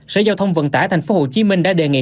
sở giao thông vận tải tp hcm đã đề nghị